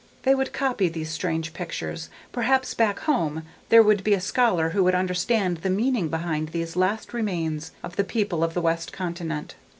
They would copy these strange pictures. Perhaps back home there would be a scholar who would understand the meaning behind these last remains of the people of the west continent.